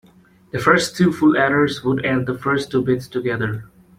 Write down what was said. The first two full adders would add the first two bits together.